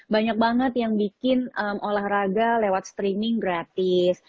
banyak banget yang bikin olahraga lewat streaming gratis